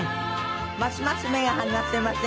ますます目が離せません。